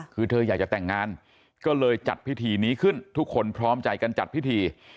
คือเธออยากจะแต่งงานก็เลยจัดพิธีนี้ขึ้นทุกคนพร้อมใจกันจัดพิธี